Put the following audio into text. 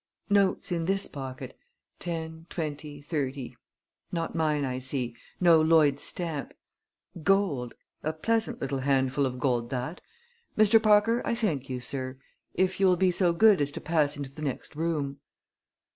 Notes in this pocket ten, twenty, thirty. Not mine, I see no Lloyd's stamp. Gold! A pleasant little handful of gold, that. Mr. Parker, I thank you, sir. If you will be so good as to pass into the next room."